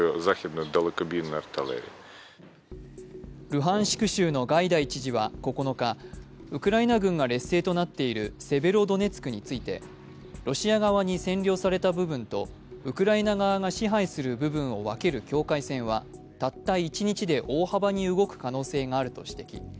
ルハンシク州のガイダイ知事は９日、ウクライナ軍が劣勢となっているセベロドネツクについてロシア側に占領された部分とウクライナ側が支配する部分に分ける境界線はたった一日で大幅に動く可能性があると指摘。